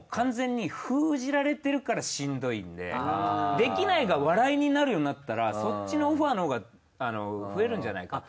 出来ないが笑いになるようになったらそっちのオファーのほうが増えるんじゃないかと。